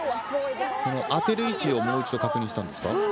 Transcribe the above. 当てる位置をもう一度、確認したんですか？